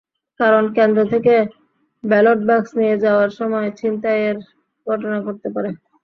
কারণ, কেন্দ্র থেকে ব্যালট বাক্স নিয়ে যাওয়ার সময় ছিনতাইয়ের ঘটনা ঘটতে পারে।